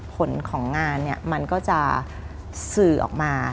ผลของงานมันก็จะสื่อออกมา